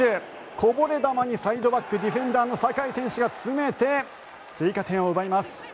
こぼれ球にサイドバックディフェンダーの酒井選手が詰めて追加点を奪います。